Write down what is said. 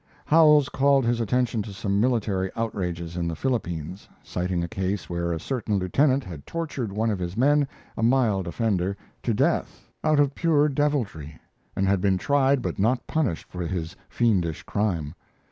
Howells called his attention to some military outrages in the Philippines, citing a case where a certain lieutenant had tortured one of his men, a mild offender, to death out of pure deviltry, and had been tried but not punished for his fiendish crime.